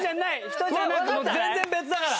人じゃなく全然別だから。